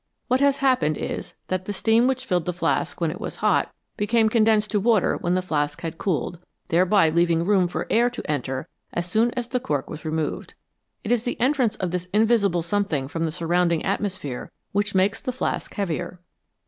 What has happened is that the steam which filled the flask when it was hot became condensed to water when the flask had cooled, thereby leaving room for air to enter as soon as the cork was removed. It is the entrance of this invisible some thing from the surrounding atmosphere which makes the flask heavier.